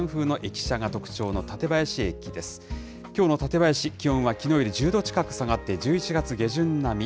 きょうの館林、気温はきのうより１０度近く下がって、１１月下旬並み。